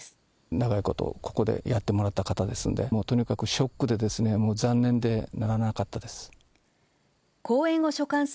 長いことここでやってもらった方ですんで、とにかくショックでですね、もう残念でならなかったです。